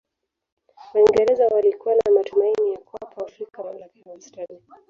waingereza walikuwa na matumaini ya kuwapa waafrika mamlaka ya wastani